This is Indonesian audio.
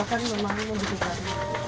apapun memang membutuhkan